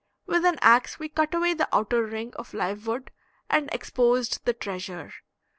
With an ax we cut away the outer ring of live wood and exposed the treasure.